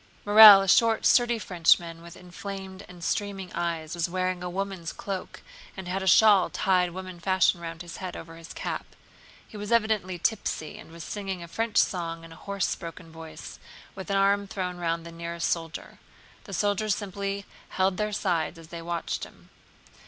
Morel, a short sturdy Frenchman with inflamed and streaming eyes, was wearing a woman's cloak and had a shawl tied woman fashion round his head over his cap. He was evidently tipsy, and was singing a French song in a hoarse broken voice, with an arm thrown round the nearest soldier. The soldiers simply held their sides as they watched him.